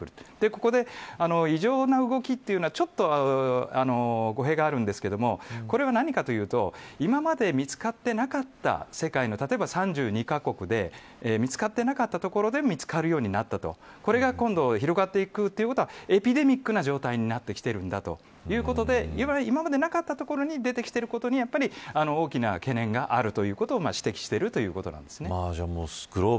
ここで異常な動きというのはちょっと語弊があるんですがこれが何かというと今まで世界の３２カ国で見つかっていなかったところで見つかるようになったとこれが今度、広がっていくということはエピデミックな状態になってきているんだということで今までなかったところでできていることに大きな懸念があるということを指摘しているということです。